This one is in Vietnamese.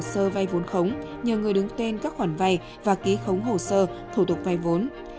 và ký khống hồ sơ vai vốn khống nhờ người đứng tên các khoản vai và ký khống hồ sơ thủ tục vai vốn